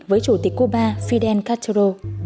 với chủ tịch cuba fidel castro